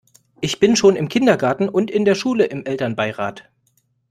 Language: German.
Ich bin schon im Kindergarten und in der Schule im Elternbeirat.